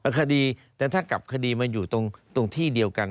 คดีแต่ถ้ากลับคดีมันอยู่ตรงที่เดียวกัน